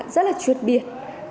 rất là truyệt biệt